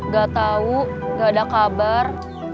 gak tahu gak ada kabar